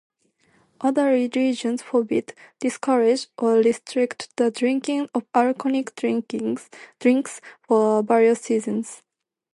Other religions forbid, discourage, or restrict the drinking of alcoholic drinks for various reasons.